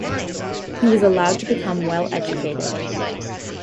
He was allowed to become well-educated.